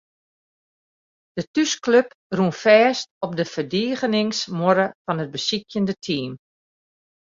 De thúsklup rûn fêst op de ferdigeningsmuorre fan it besykjende team.